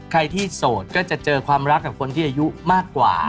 ใครที่โสดก็จะเจอความรักกับคนที่อายุมากกว่า